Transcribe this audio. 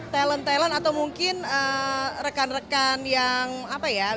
talent talent atau mungkin rekan rekan yang apa ya